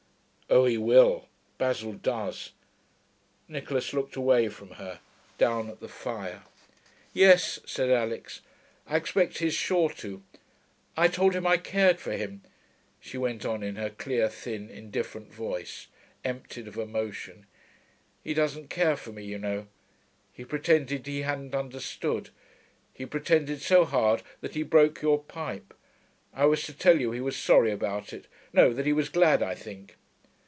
'Oh, he will. Basil does.' Nicholas looked away from her, down at the fire. 'Yes,' said Alix. 'I expect he's sure to.... I told him I cared for him,' she went on, in her clear, thin, indifferent voice, emptied of emotion. 'He doesn't care for me, you know. He pretended he hadn't understood. He pretended so hard that he broke your pipe. I was to tell you he was sorry about it no, that he was glad, I think....'